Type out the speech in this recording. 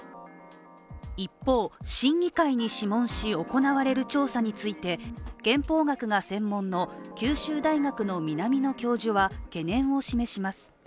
一方、審議会に諮問し行われる調査について憲法学が専門の九州大学の南野教授は懸念を示します。